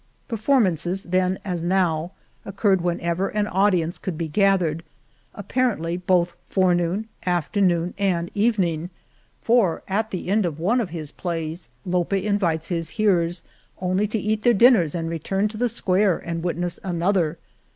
Performances, then as now, occurred when ever an audience could be gathered, appar ently both forenoon, afternoon, and even ing, for at the end of one of his plays Lope invites his hearers only to eat their dinners and return to the square and witness an other."